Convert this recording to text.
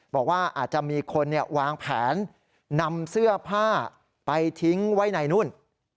บอกว่าอาจจะมีคนวางแผนนำเสื้อผ้าไปทิ้งไว้ในนู่น